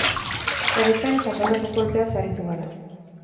Horrez gain, jasandako kolpeaz aritu gara.